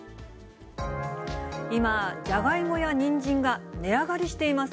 今、ジャガイモやニンジンが値上がりしています。